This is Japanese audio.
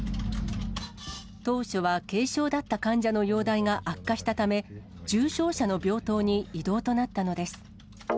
当初は軽症だった患者の容体が悪化したため、重症者の病棟に移動となったのです。